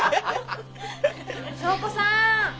・祥子さん！